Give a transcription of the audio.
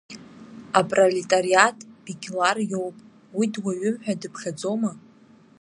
Апролетариат Бегьлар иоуп, уи дуаҩым ҳәа быԥхьаӡома?